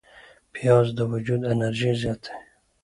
پیاز د وجود انرژي زیاتوي